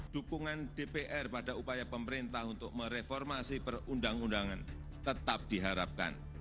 dukungan dpr pada upaya pemerintah untuk mereformasi perundang undangan tetap diharapkan